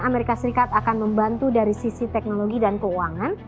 amerika serikat akan membantu dari sisi teknologi dan keuangan